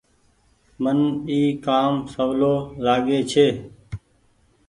من اي ڪآم سولو لآگي ڇي۔